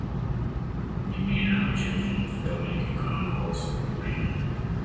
Mimina na uchemshe mafuta kwenye kikaango au sufuria